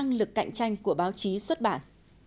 năng lực cạnh tranh của báo chí xuất bản